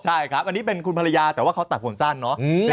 ใช่ครับอันนี้เป็นคุณภรรยาแต่ว่าเขาตัดผมสั้นเนาะ